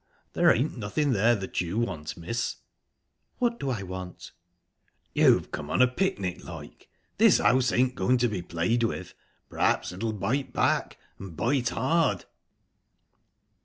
"There ain't nothing there that you want, miss." "What do I want?" "You've come on a picnic, like...This house ain't going to be played with. P'raps it'll bite back, and bite hard."